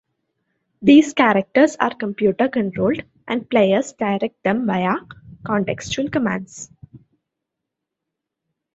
These characters are computer-controlled, and players direct them via contextual commands.